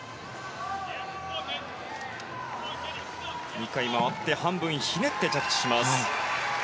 ２回、回って半分ひねって着地します。